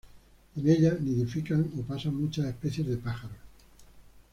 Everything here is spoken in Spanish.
En ella nidifican o pasan muchas especies de pájaros.